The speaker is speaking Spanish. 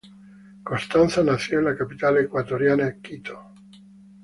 Constanza nació en la capital ecuatoriana Quito.